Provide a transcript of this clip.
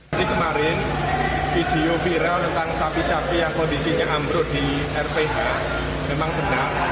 jadi kemarin video viral tentang sapi sapi yang kondisinya ambro di rph memang benar